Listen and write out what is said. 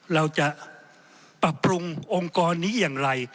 เราจะปรับปรุงองค์กรนี้อย่างไร